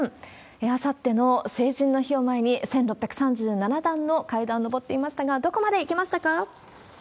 あさっての成人の日を前に、１６３７段の階段を上っていましたが、どこまで行きましたか？